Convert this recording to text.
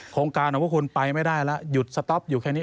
โครงการของพวกคุณไปไม่ได้แล้วหยุดสต๊อปอยู่แค่นี้